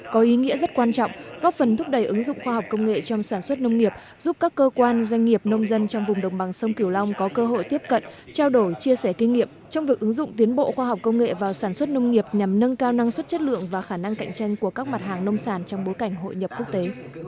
có ý nghĩa rất quan trọng góp phần thúc đẩy ứng dụng khoa học công nghệ trong sản xuất nông nghiệp giúp các cơ quan doanh nghiệp nông dân trong vùng đồng bằng sông kiều long có cơ hội tiếp cận trao đổi chia sẻ kinh nghiệm trong việc ứng dụng tiến bộ khoa học công nghệ vào sản xuất nông nghiệp nhằm nâng cao năng suất chất lượng và khả năng cạnh tranh của các mặt hàng nông sản trong bối cảnh hội nhập quốc tế